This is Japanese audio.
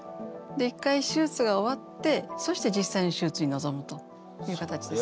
一回手術が終わってそして実際の手術に臨むというかたちです。